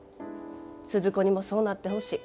鈴子にもそうなってほしい。